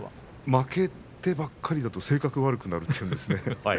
負けてばかりだと性格悪くなると言うんですね